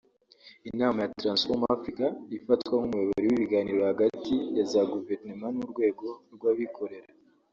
Inama ya Transform Africa ifatwa nk’umuyoboro w’ibiganiro hagati ya za guverinoma n’ urwego rw’ abikorera